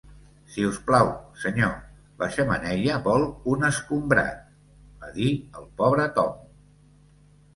"Si us plau, senyor, la xemeneia vol un escombrat", va dir el pobre Tom.